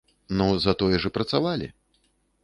Ну, затое ж і працавалі!